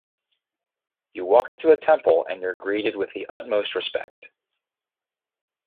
You walk into a temple and you're greeted with the utmost respect...